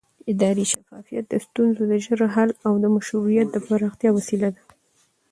اداري شفافیت د ستونزو د ژر حل او مشروعیت د پراختیا وسیله ده